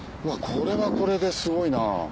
これはこれですごいな。